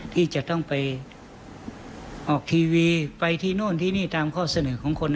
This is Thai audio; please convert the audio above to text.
ที่จะต้องไปออกทีวีไปที่โน่นที่นี่ตามข้อเสนอของคน